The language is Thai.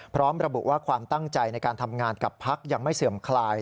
พร้อมระบุว่าความตั้งใจในการทำงานกับพักยังไม่เสื่อมคลาย